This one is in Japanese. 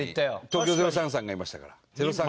東京０３さんがいましたから。